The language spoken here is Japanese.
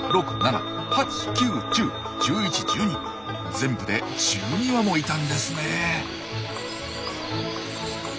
全部で１２羽もいたんですねえ。